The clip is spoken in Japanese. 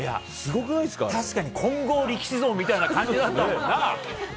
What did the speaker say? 確かに金剛力士像みたいな感じだったもんな。